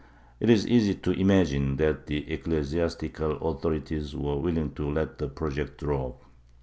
It is easy to imagine that the ecclesiastical authorities were willing to let the project drop.